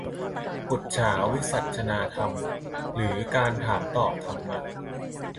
ปุจฉาวิสัชนาธรรม คือการถามตอบธรรมะ